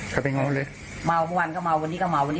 เขาไปเหงาเวล้ว